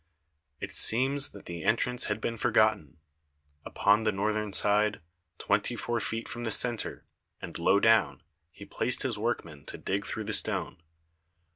It seems that the entrance had been forgotten. Upon the northern side, twenty four feet from the centre, and low down, he placed his workmen to dig through the stone.